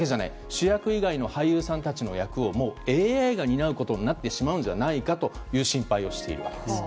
主役以外の俳優さんたちの役をＡＩが担うことになってしまうんじゃないかという心配をしているんです。